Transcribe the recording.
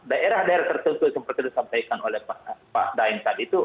daerah daerah tertentu seperti disampaikan oleh pak daeng tadi itu